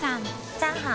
チャーハン。